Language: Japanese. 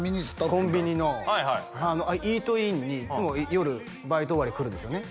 コンビニのイートインにいつも夜バイト終わり来るんですよね？